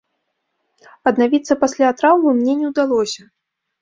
Аднавіцца пасля траўмы мне не ўдалося.